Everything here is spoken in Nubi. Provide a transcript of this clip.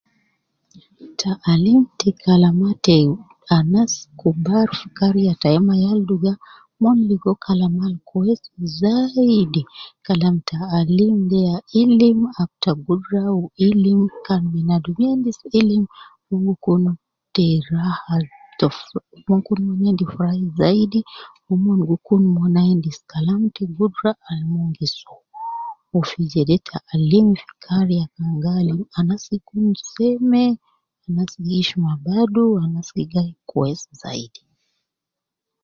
Ta alim te kalama te anas kubar fi kariya tayi ma yal duga, umon ligo kalama al kwesi zaidi, kalam ta alim de ya ilim ab ta gudra, wu ilim kan binadumiya endis ilim mon gi kun te raha ta fo mon gi kunu mon endi furahi zaidi, wu umon gi kun umon endis kalama ta gudra al umon gi soo, wu fi jede ta alim, fi kariya kan gi alim anas gi kun seme, anas gi hishma badu, anas gi gayi kwesi zaidi.